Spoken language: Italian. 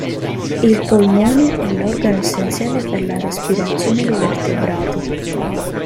Il polmone è l'organo essenziale per la respirazione dei vertebrati.